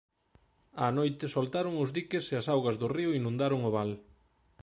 Á noite soltaron os diques e as augas do río inundaron o val.